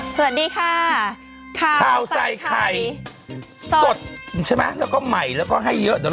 สวัสดีค่ะข้าวใส่ไข่สดใช่ไหมแล้วก็ใหม่แล้วก็ให้เยอะเดี๋ยว